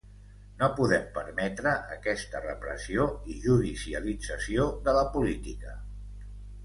No podem permetre aquesta repressió i judicialització de la política.